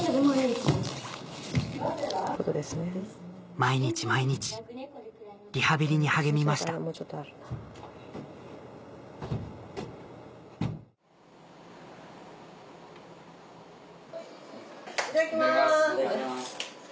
毎日毎日リハビリに励みましたいただきます。